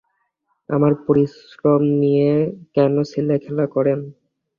আমার পরিশ্রম নিয়ে কেন ছেলেখেলা করেন?